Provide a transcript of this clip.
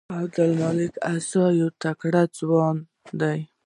عبدالمالک عاصي یو تکړه ځوان دی.